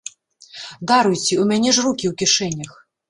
Даруйце, у мяне ж рукі ў кішэнях.